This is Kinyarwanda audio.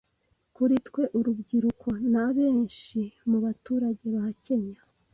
"Kuri twe urubyiruko - na benshi mu baturage ba Kenya